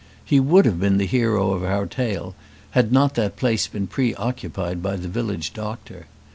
He would have been the hero of our tale had not that place been pre occupied by the village doctor.